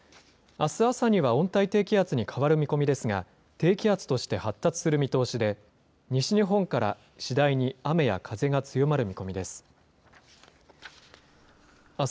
あす朝には温帯低気圧に変わる見込みですが、低気圧として発達する見通しで、西日本から次第に雨や風が強まる見込みです。